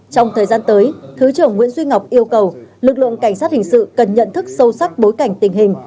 trong thời gian tới thứ trưởng nguyễn duy ngọc yêu cầu lực lượng cảnh sát hình sự cần nhận thức sâu sắc bối cảnh tình hình